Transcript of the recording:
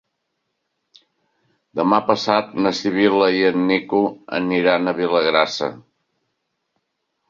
Demà passat na Sibil·la i en Nico aniran a Vilagrassa.